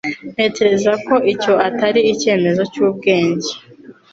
Ntekereza ko icyo atari icyemezo cyubwenge.